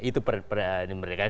itu peradaban mereka